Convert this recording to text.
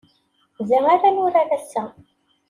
Da ara nurar ass-a.